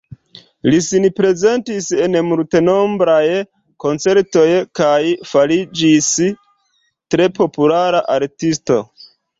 Li sin prezentis en multenombraj koncertoj kaj fariĝis tre populara artisto.